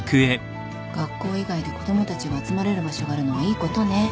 学校以外で子供たちが集まれる場所があるのはいいことね。